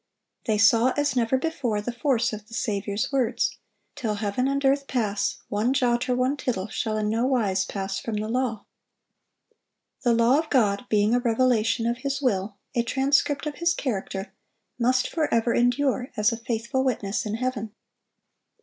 They saw, as never before, the force of the Saviour's words, "Till heaven and earth pass, one jot or one tittle shall in no wise pass from the law."(717) The law of God, being a revelation of His will, a transcript of His character, must forever endure, "as a faithful witness in heaven."